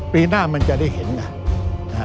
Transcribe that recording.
ปีหน้ามันจะได้เห็นไง